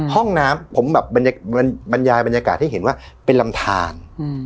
ห้องน้ำผมแบบบรรยายบรรยากาศให้เห็นว่าเป็นลำทาน